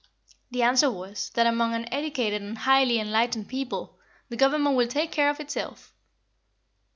The answer was, that among an educated and highly enlightened people, the government will take care of itself.